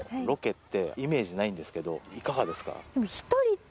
いかがですか？